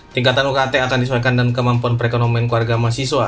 tingkatan ukt akan disesuaikan dengan kemampuan perekonomian keluarga mahasiswa